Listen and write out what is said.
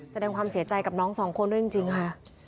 แสดงความเสียใจกับน้องสองคนด้วยจริงค่ะ